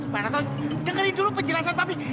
mana tau dengerin dulu penjelasan papi